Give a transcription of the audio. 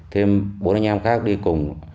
thêm bốn anh em khác đi cùng